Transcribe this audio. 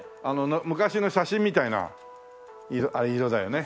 昔の写真みたいな色だよね。